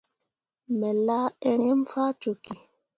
Me laa eremme faa cokki.